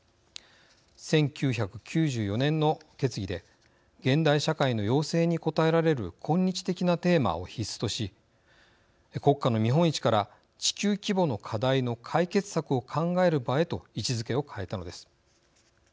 １９９４年の決議で現代社会の要請に応えられる今日的なテーマを必須とし国家の見本市から地球規模の課題の解決策を考える場へと位置づけを変えたのです。